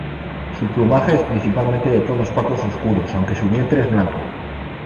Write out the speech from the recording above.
Su plumaje es principalmente de tonos pardos oscuros, aunque su vientre es blanco.